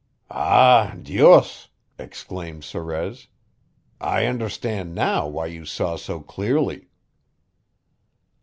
"Ah, Dios!" exclaimed Sorez, "I understand now why you saw so clearly."